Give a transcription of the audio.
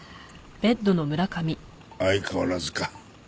相変わらずか？